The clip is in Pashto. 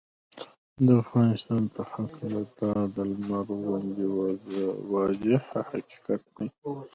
د افغانستان په هکله دا د لمر غوندې واضحه حقیقت دی